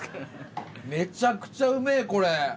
めちゃくちゃうめえこれ。